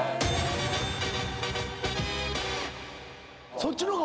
そっちの方が。